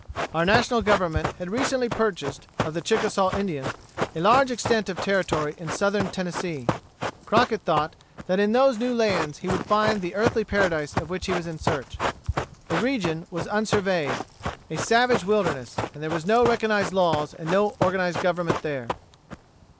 Our National Government had recently purchased, of the Chickasaw Indians, a large extent of territory in Southern Tennessee. Crockett thought that in those new lands he would find the earthly paradise of which he was in search. The region was unsurveyed, a savage wilderness, and there were no recognized laws and no organized government there.